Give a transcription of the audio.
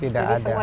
tidak ada sih